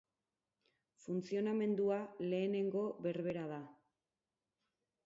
Funtzionamendua lehenengo berbera da.